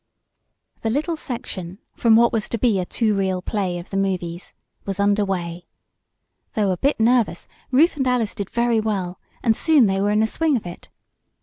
The little section, from what was to be a two reel play of the movies, was under way. Though a bit nervous Ruth and Alice did very well, and soon they were in the swing of it.